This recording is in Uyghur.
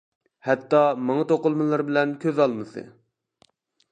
ھەتتا مېڭە توقۇلمىلىرى بىلەن كۆز ئالمىسى.